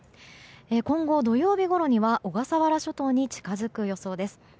今後、土曜日ごろには小笠原諸島に近づく予想です。